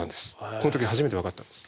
この時初めてわかったんです。